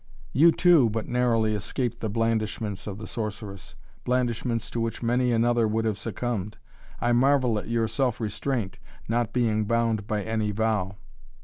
"You, too, but narrowly escaped the blandishments of the Sorceress, blandishments to which many another would have succumbed. I marvel at your self restraint, not being bound by any vow."